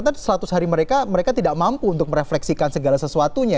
tapi seratus hari mereka mereka tidak mampu untuk merefleksikan segala sesuatunya